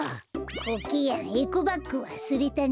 コケヤンエコバッグわすれたね？